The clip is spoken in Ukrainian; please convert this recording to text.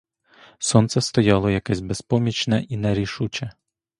Сонце стояло якесь безпомічне і нерішуче.